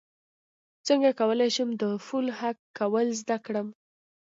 څنګه کولی شم د فون هک کول زده کړم